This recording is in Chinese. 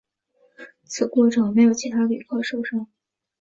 此过程没有其他旅客受伤。